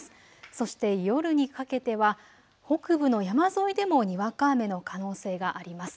そして夜にかけては北部の山沿いでもにわか雨の可能性があります。